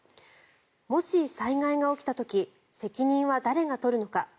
もし災害が起きた時責任は誰が取るのか。